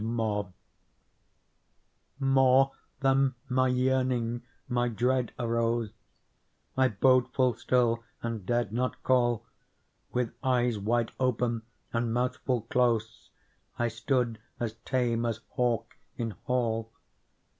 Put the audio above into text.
Digitized by Google PEARL More than my yearning my dread arose^ I bode full still and dared not call. With eyes wide open and mouth full close, I stood as tame as hawk in hall.